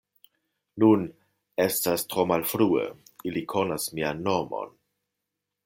Nun, estas tro malfrue, ili konas mian nomon.